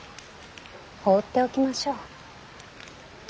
放っておきましょう。